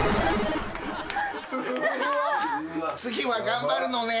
次は頑張るのねん。